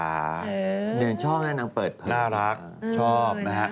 เหนือนชอบนั่งเปิดผ่าน่ารักชอบนะฮะ